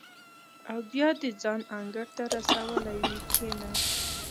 او بیا دې ځان انګړ ته رسولی وي کېنه.